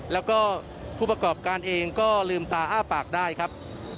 แล้วก็ผู้ประกอบการเองก็ลืมตาอ้าปากได้ครับ